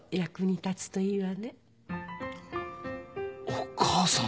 お母さん。